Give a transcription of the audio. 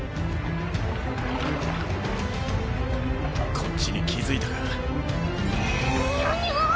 こっちに気付いたか。